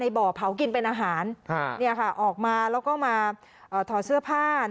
บ่อเผากินเป็นอาหารออกมาแล้วก็มาถอดเสื้อผ้า